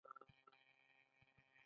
له نظام سره یې جوړ جاړی کړی.